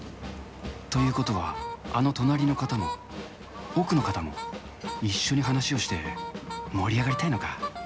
ということは、あの隣の方も、奥の方も、一緒に話をして盛り上がりたいのか？